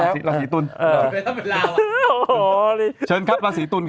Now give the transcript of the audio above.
๖พิจิกายน